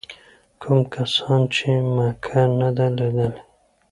کوم کسان چې مکه نه ده لیدلې.